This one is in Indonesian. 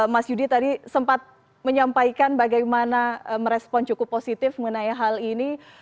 mas yudi tadi sempat menyampaikan bagaimana merespon cukup positif mengenai hal ini